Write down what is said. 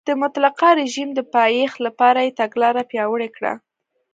د مطلقه رژیم د پایښت لپاره یې تګلاره پیاوړې کړه.